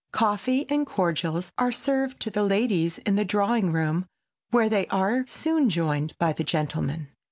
Coffee and cordials are served to the ladies in the drawing room, where they are soon joined by the gentlemen.